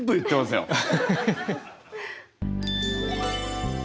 アハハハハ。